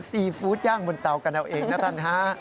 ซีฟู้ดย่างบนเตากันเอาเองนะท่านฮะ